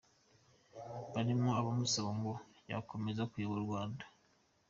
Barimo abamusaba ko yakomeza kuyobora u Rwanda.